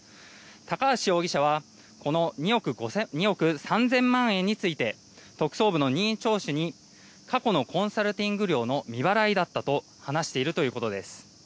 高橋容疑者はこの２億３０００万円について特捜部の任意聴取に過去のコンサルティング料の未払いだったと話しているということです。